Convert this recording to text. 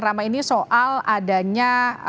drama ini soal adanya